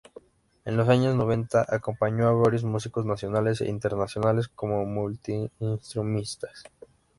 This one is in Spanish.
En los años noventa acompañó a varios músicos nacionales e internacionales, como multiinstrumentista.